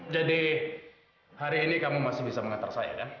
hari ini kamu masih bisa mengantar saya kan